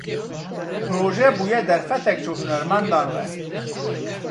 Proje bûye derfetek ji hunermendan re.